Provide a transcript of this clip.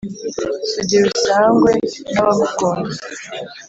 Sugira usangwe n'abagukunda.